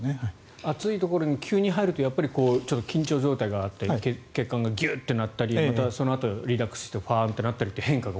熱いところに急に入るとちょっと緊張状態があって血管がギュッとなったりそのあとリラックスしてフワーッとなったりと。